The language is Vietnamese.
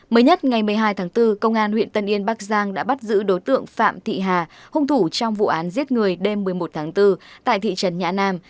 mới nhất ngày một mươi hai tháng bốn công an huyện tân yên bắc giang đã bắt giữ đối tượng phạm thị hà hung thủ trong vụ án giết người đêm một mươi một tháng bốn tại thị trấn nhã nam